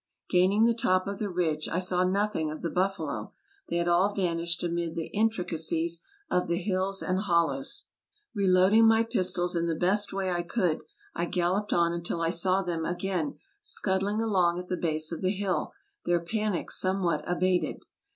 Gaining the top of the ridge, I saw nothing of the buffalo ; they had all vanished amid the intricacies of the hills and hollows. Reloading my pistols, in the best way I could, I galloped on until I saw them again scuttling along at the base of the hill, their panic somewhat abated.